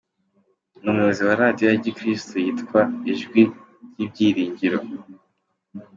Ni umuyobozi wa Radio ya Gikiristu yitwa Ijwi ry’Ibyiringiro.